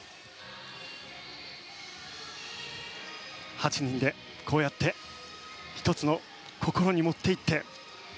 ８人でこうやって１つの心に持っていって。